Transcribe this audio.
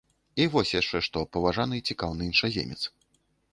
І вось яшчэ што, паважаны цікаўны іншаземец.